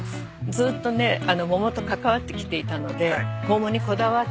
ずっとね桃と関わってきていたので桃にこだわって。